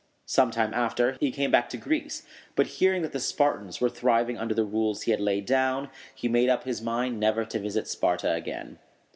Some time after, he came back to Greece; but, hearing that the Spartans were thriving under the rules he had laid down, he made up his mind never to visit Sparta again.